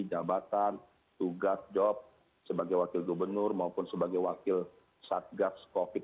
jabatan tugas job sebagai wakil gubernur maupun sebagai wakil satgas covid